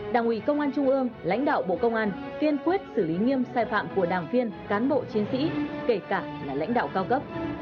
đảng ủy công an trung ương lãnh đạo bộ công an kiên quyết xử lý nghiêm sai phạm của đảng viên cán bộ chiến sĩ kể cả là lãnh đạo cao cấp